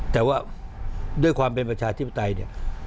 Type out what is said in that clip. แต่ว่าด้วยความเป็นประชาธิปไตยเนี่ย